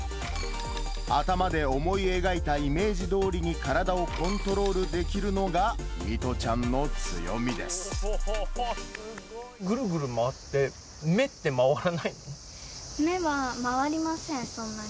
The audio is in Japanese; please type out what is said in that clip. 頭で思い描いたイメージどおりに体をコントロールできるのが、ぐるぐる回って、目って回ら目は回りません、そんなに。